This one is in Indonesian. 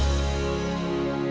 baik kan jeng gusti